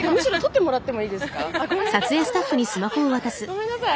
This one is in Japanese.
ごめんなさい。